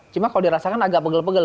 cuma kalau dirasakan agak pegal pegal